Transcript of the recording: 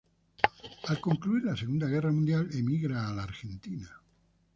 Al concluir la segunda guerra mundial emigra a la Argentina.